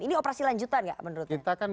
ini operasi lanjutan gak menurutnya kita kan